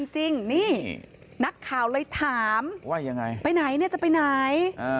จริงนี่นักข่าวเลยถามว่าจะไปไหน